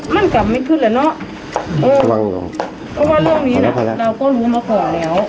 มันกลับไม่ขึ้นเหรอเนอะว่าเรื่องนี้นะเราก็รู้มาก่อนแล้วครับอืม